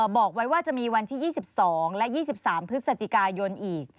บอกไว้ว่าจะมีวันที่๒๒และ๒๓พฤศจิกายนอีก